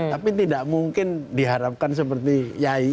tapi tidak mungkin diharapkan seperti yai